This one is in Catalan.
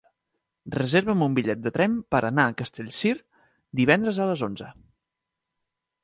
Reserva'm un bitllet de tren per anar a Castellcir divendres a les onze.